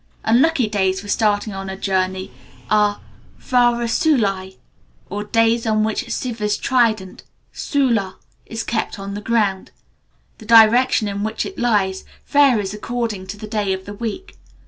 Unlucky days for starting on a journey are vara sulai, or days on which Siva's trident (sula) is kept on the ground. The direction in which it lies, varies according to the day of the week.